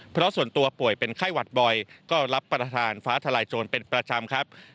เพราะส่วนตัวป่วยเป็นไข้หวัดบ่อยก็รับประทานฟ้าทลายโจรเป็นประจำครับ